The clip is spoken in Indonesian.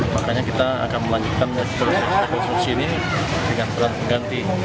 makanya kita akan melanjutkan rekonstruksi ini dengan peran pengganti